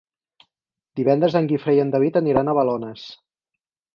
Divendres en Guifré i en David aniran a Balones.